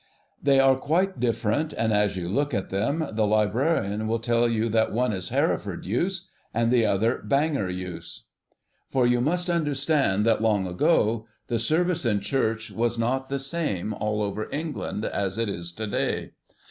They are quite different, and, as you look at them, the librarian will tell you that one is 'Hereford Use,' the other 'Bangor Use.' For you must understand that long ago the Service in church was not the same all over England, as it is to day.